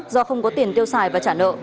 do không có tiền tiêu xài và trả nợ